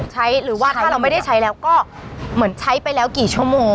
หรือว่าถ้าเราไม่ได้ใช้แล้วก็เหมือนใช้ไปแล้วกี่ชั่วโมง